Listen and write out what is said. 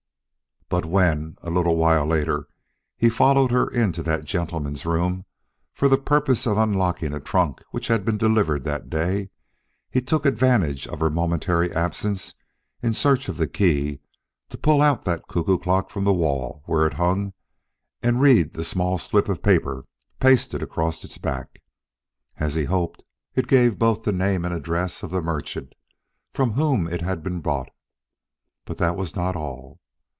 But when, a little later, he followed her into that gentleman's room for the purpose of unlocking a trunk which had been delivered that day, he took advantage of her momentary absence in search of the key to pull out that cuckoo clock from the wall where it hung and read the small slip of paper pasted across its back. As he hoped, it gave both the name and address of the merchant from whom it had been bought. But that was not all.